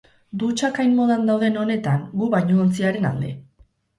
Dutxak hain modan dauden honetan, gu bainuontziaren alde.